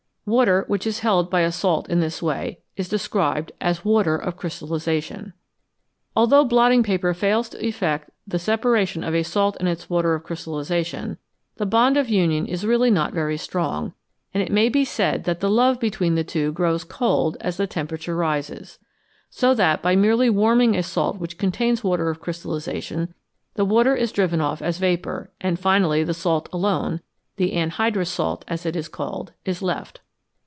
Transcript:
Water which is held by a salt in this way is described as " water of crystallisation."* 7 Although blotting paper fails to effect the separation of a salt and its water of crystallisation, the bond of union is really not very strong, and it may be said that the love between the two grows cold as the temperature rises. So that by merely warming a salt which contains water of crystallisation, the water is driven off as vapour, and finally the salt alone the " anhydrous " salt, as it is called is left.